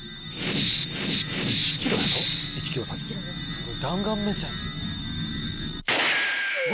すごい弾丸目線。